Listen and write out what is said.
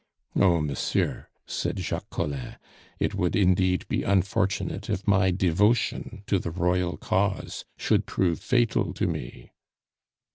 "Oh, monsieur," said Jacques Collin, "it would indeed be unfortunate if my devotion to the Royal cause should prove fatal to me."